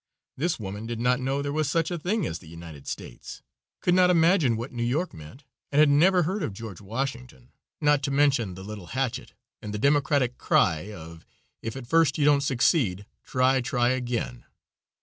This woman did not know there was such a thing as the United States, could not imagine what New York meant, and had never heard of George Washington, not to mention the little hatchet and the democratic cry of "If at first you don't succeed, try, try again."